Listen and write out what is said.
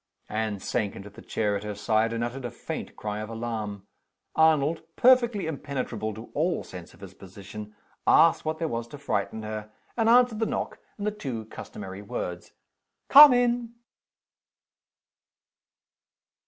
Anne sank into the chair at her side, and uttered a faint cry of alarm. Arnold, perfectly impenetrable to all sense of his position, asked what there was to frighten her and answered the knock in the two customary words: "Come in!"